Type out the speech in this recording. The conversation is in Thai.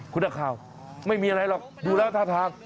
คุณนักข่าวไม่มีอะไรหรอกดูแล้วท่าทาง